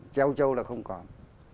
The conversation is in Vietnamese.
treo trâu là không còn